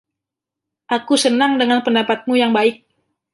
Aku senang dengan pendapatmu yang baik.